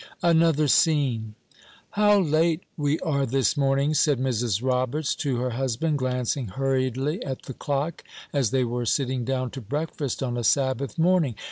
ANOTHER SCENE. "How late we are this morning!" said Mrs. Roberts to her husband, glancing hurriedly at the clock, as they were sitting down to breakfast on a Sabbath morning.